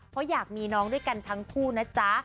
เพราะอยากมีน้องด้วยกันทั้งคู่นะจ๊ะ